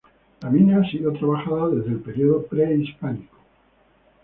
La mina ha sido trabajada desde el período prehispánico.